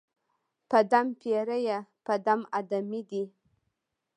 په دم پېریه، په دم آدمې دي